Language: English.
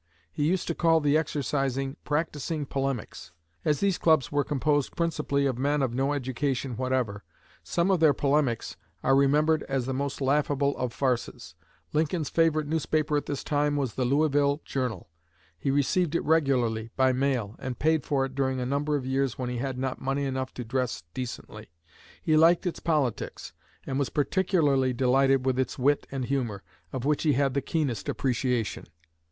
He used to call the exercising "practicing polemics." As these clubs were composed principally of men of no education whatever, some of their "polemics" are remembered as the most laughable of farces. Lincoln's favorite newspaper at this time was the "Louisville Journal." He received it regularly by mail, and paid for it during a number of years when he had not money enough to dress decently. He liked its politics, and was particularly delighted with its wit and humor, of which he had the keenest appreciation.